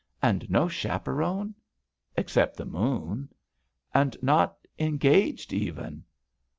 And no chaperone!" "Except the moon." "And not — engaged, even!"